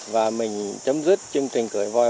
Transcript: và mình chấm dứt chương trình cởi voi